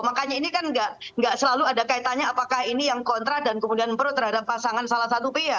makanya ini kan nggak selalu ada kaitannya apakah ini yang kontra dan kemudian pro terhadap pasangan salah satu pihak